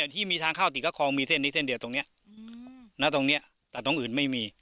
ที่มีทางเข้าติดก็คอมีเส้นเดียวตรงนี้แต่ตรงอื่นไม่มี